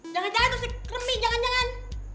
jangan jangan itu cacik kremi jangan jangan